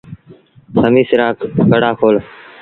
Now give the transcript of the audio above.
کميٚس رآ ڪڪڙآ کول۔